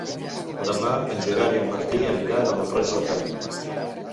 Demà en Gerard i en Martí aniran a Mont-roig del Camp.